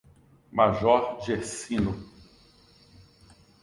Major Gercino